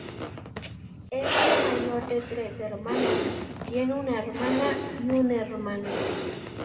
Es la mayor de tres hermanos, tiene una hermana y un hermano.